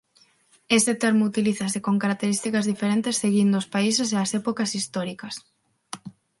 Este termo utilizase con características diferentes seguindo os países e as épocas históricas.